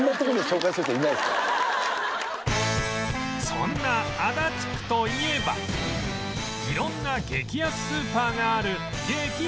そんな足立区といえば色んな激安スーパーがある激安天国！